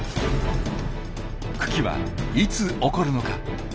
群来はいつ起こるのか？